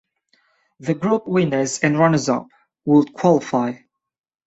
The group winners and runners-up would qualify.